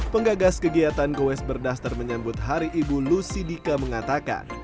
penggagas kegiatan goes berdaster menyambut hari ibu lucy dika mengatakan